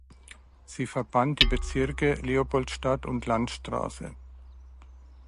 Sie verband die Bezirke Leopoldstadt und Landstraße.